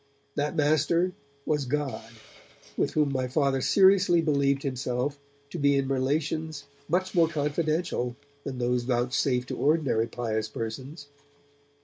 That master was God, with whom my Father seriously believed himself to be in relations much more confidential than those vouchsafed to ordinary pious persons.